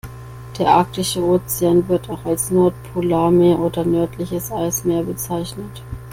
Der Arktische Ozean, wird auch als Nordpolarmeer oder nördliches Eismeer bezeichnet.